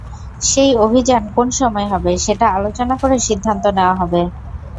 সেই অভিযান কোন সময় হবে, সেটা আলোচনা করে সিদ্ধান্ত নেওয়া হবে।